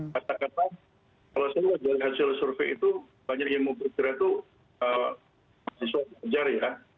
maksud saya kalau saya mau menjelaskan hasil survei itu banyak yang bergerak itu siswa bekerja ya